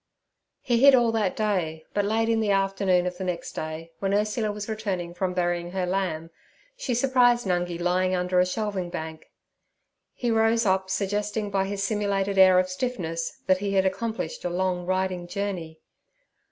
He hid all that day, but late in the afternoon of the next day, when Ursula was returning from burying her lamb, she surprised Nungi lying under a shelving bank. He rose up, suggesting by his simulated air of stiffness that he had accomplished a long riding journey.